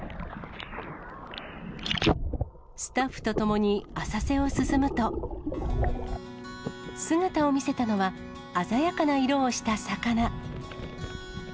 スタッフと共に浅瀬を進むと、姿を見せたのは、鮮やかな色をした魚。